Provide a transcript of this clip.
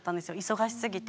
忙しすぎて。